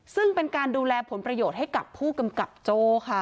ซึ่งเป็นการดูแลผลประโยชน์ให้กับผู้กำกับโจ้ค่ะ